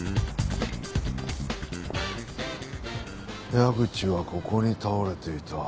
矢口はここに倒れていた。